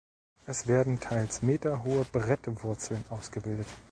Es werden teils meterhohe Brettwurzeln ausgebildet.